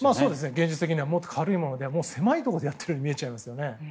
芸術的にはもっと軽いもので狭いところでやっているように見えますね。